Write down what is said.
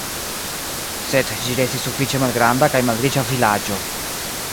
Sed ĝi restis sufiĉe malgranda kaj malriĉa vilaĝo.